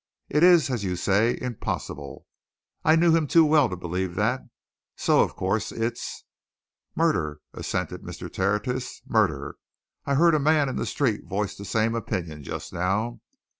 It is, as you say, impossible. I knew him too well to believe that. So, of course, it's " "Murder," assented Mr. Tertius. "Murder! I heard a man in the street voice the same opinion just now.